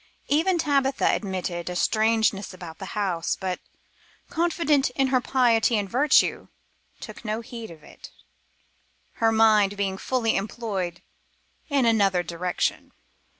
Even Tabitha admitted a strangeness about the house, but, confident in her piety and virtue, took no heed of it, her mind being fully employed in another direction.